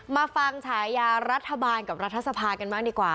มาฟังฉายารัฐบาลกับรัฐสภากันบ้างดีกว่า